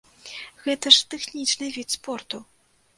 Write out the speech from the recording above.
Гэта ж тэхнічны від спорту!